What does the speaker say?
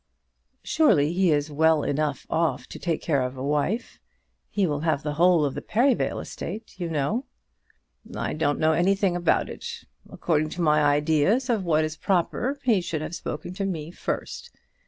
"Surely he is well enough off to take care of a wife. He will have the whole of the Perivale estate, you know." "I don't know anything about it. According to my ideas of what is proper he should have spoken to me first.